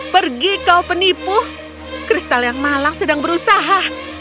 pergi kau penipu kristal yang malang sedang berusaha